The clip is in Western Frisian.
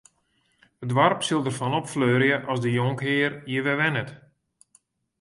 It doarp sil derfan opfleurje as de jonkhear hjir wer wennet.